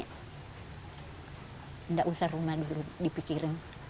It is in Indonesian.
tidak usah rumah dulu dipikirin